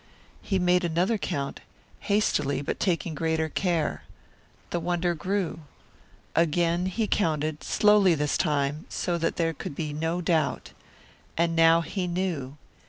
He made another count, hastily, but taking greater care. The wonder grew. Again he counted, slowly this time, so that there could be no doubt. And now he knew!